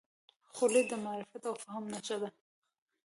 خولۍ د معرفت او فهم نښه ده.